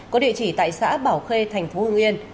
có địa chỉ tại xã bảo khê thành phố hưng yên